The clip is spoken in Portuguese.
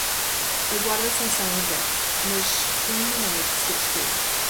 Aguarda sanção ou veto, mas um humanoide se absteve